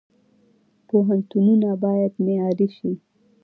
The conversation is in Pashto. پوهنتونونه باید معیاري شي